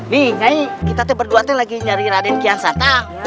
nih nyai kita berdua lagi nyari raden kian santang